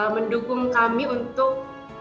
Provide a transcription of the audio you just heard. mendukung kami untuk